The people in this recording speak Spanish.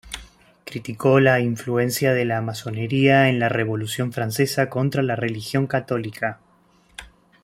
Criticó la influencia de la masonería en la revolución francesa contra la religión católica.